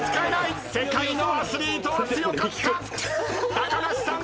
高梨さん